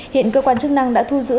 hiện cơ quan chức năng đã thu giữ